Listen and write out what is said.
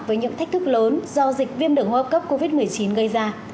với những thách thức lớn do dịch viêm đường hoa cấp covid một mươi chín gây ra